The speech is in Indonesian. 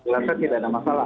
maka tidak ada masalah